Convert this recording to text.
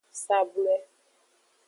Sablwe.